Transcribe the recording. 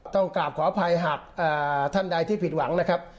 กราบขออภัยหากท่านใดที่ผิดหวังนะครับ